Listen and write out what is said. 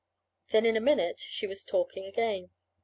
Then, in a minute, she was talking again.